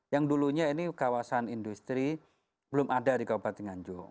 yang dulunya ini kawasan industri belum ada di kabupaten nganjuk